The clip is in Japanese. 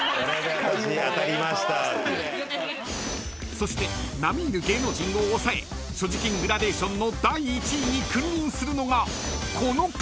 ［そして並み居る芸能人を抑え所持金グラデーションの第１位に君臨するのがこの方］